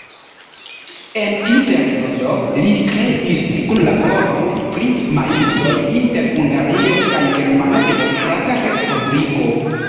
En tiu periodo li kreis kunlaboron pri maizoj inter Hungario kaj Germana Demokrata Respubliko.